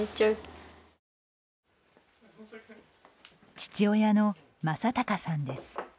父親の眞孝さんです。